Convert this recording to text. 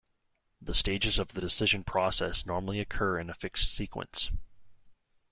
The stages of the decision process normally occur in a fixed sequence.